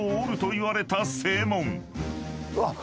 うわっ！